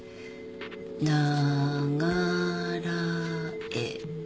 「ながらえば」